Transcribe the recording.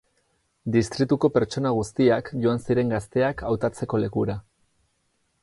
Distrituko pertsona guztiak joan ziren gazteak hautatzeko lekura.